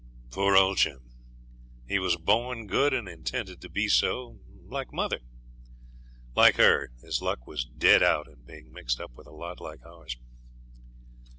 Poor old Jim! He was born good and intended to be so, like mother. Like her, his luck was dead out in being mixed up with a lot like ours.